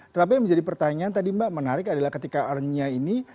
tapi yang menjadi pertanyaan tadi mbak menarik adalah ketika arnia ini